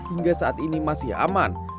hingga saat ini masih aman